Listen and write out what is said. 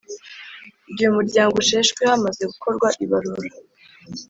Igihe umuryango usheshwe hamaze gukorwa ibarura.